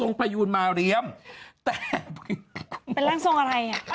คำบันเป็นร่างทรงอะไร